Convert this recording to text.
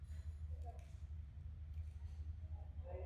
kipaji cha kunyumbulika na akili ya hali ya juu ya mpira